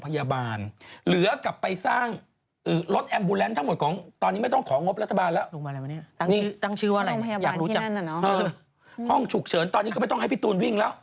อยากรู้จักห้องฉุกเฉินตอนนี้แปลกต้องให้พี่ตูนวิ่งแล้ว